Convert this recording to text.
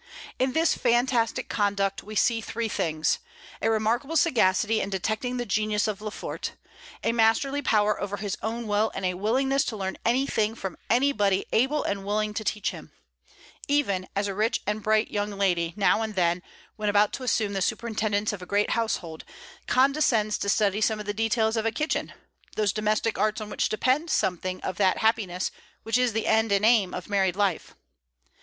In this fantastic conduct we see three things: a remarkable sagacity in detecting the genius of Lefort, a masterly power over his own will, and a willingness to learn anything from anybody able and willing to teach him, even as a rich and bright young lady, now and then, when about to assume the superintendence of a great household, condescends to study some of the details of a kitchen, those domestic arts on which depend something of that happiness which is the end and aim of married life.